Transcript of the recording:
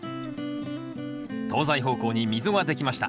東西方向に溝ができました。